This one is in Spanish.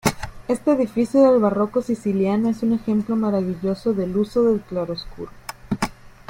Este edificio del barroco siciliano es un ejemplo maravilloso del uso del claroscuro.